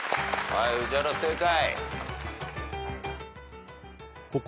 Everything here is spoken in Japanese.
はい宇治原正解。